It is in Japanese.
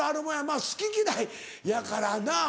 まぁ好き嫌いやからな。